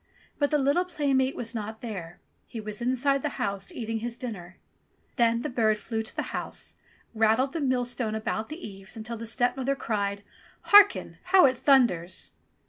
But the little playmate was not there ; he was inside the house eating his dinner. Then the bird flew to the house, and rattled the millstone about the eaves until the stepmother cried, "Harken! How it thunders